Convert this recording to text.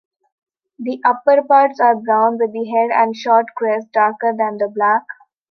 The upperparts are brown, with the head and short crest darker than the back.